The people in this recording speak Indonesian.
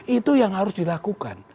itu yang harus dilakukan